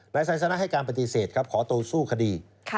นายไซสนะให้การปฏิเสธครับขอโตสู้คดี